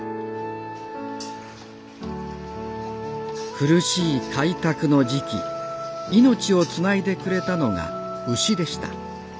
苦しい開拓の時期命をつないでくれたのが牛でした。